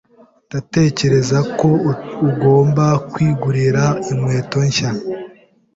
Ndatekereza ko ugomba kwigurira inkweto nshya.